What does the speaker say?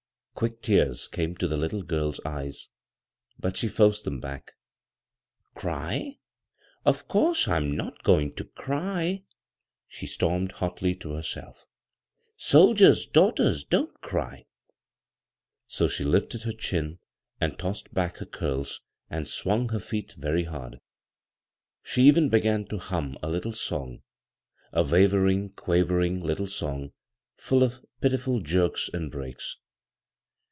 Quick tears came to the little girl's eyes, but she forced them back. "Cry? Of course I'm not going to cry I" she stormed hotly to herselL "Soldiers' daughters don't cry I " So she Hfted her chin and tossed back her curls, and swimg her feet very hard. She even began to hum a little song — a wavering, quavering tittle song full of pitiful jerks and breaks.